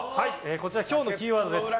こちら、今日のキーワードです。